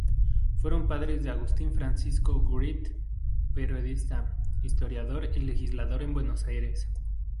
Fueron padres de Agustín Francisco Wright, periodista, historiador y legislador en Buenos Aires.